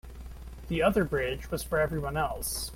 The other bridge was for everyone else.